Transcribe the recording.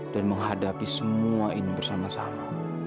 dan menghadapi semua ini bersama sama